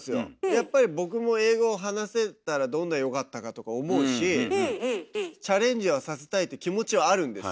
やっぱり僕も英語を話せたらどんなによかったかとか思うしチャレンジはさせたいって気持ちはあるんですよ。